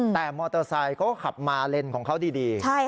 แต่มอเตอร์ไซค์เขาก็ขับมาเลนของเขาดี